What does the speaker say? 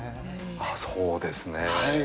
ああ、そうですね。